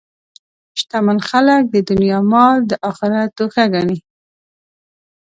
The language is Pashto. شتمن خلک د دنیا مال د آخرت توښه ګڼي.